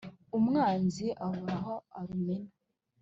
Umwanzi abure aho arumena